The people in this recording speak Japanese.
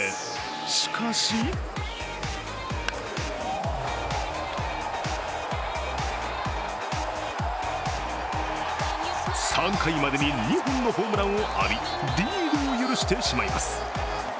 しかし３回までに２本のホームランを浴び、リードを許してしまいます。